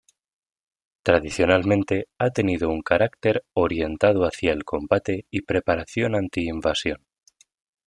Tradicionalmente ha tenido un carácter orientado hacia el combate y preparación anti-invasión.